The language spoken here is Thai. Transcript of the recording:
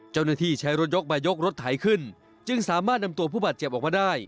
เจ้าหน้าที่ใช้รถยกมายกรถไถขึ้นจึงสามารถนำตัวผู้บาดเจ็บออกมาได้